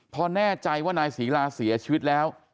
พอแน่ใจว่านายศรีลาเสียชีวิตแล้ว